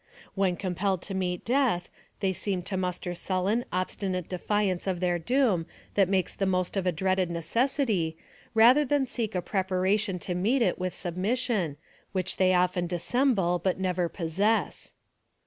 When compelled to meet death, they seem to muster sullen, obstinate defi ance of their doom, that makes the most of a dreaded necessity, rather than seek a preparation to meet it with submission, which they often dissemble, but never possess.